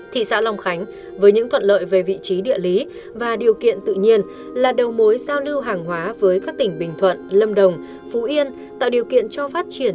thị xã long khánh với những thuận lợi về vị trí địa lý và điều kiện tự nhiên là đầu mối giao lưu hàng hóa với các tỉnh bình thuận